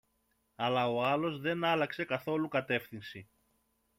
Αλλά ο άλλος δεν άλλαξε καθόλου κατεύθυνση